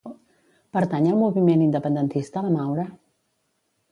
Pertany al moviment independentista la Maura?